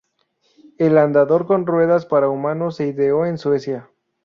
El "andador con ruedas" para humanos se ideó en Suecia.